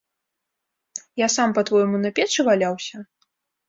Я сам, па-твойму, на печы валяўся?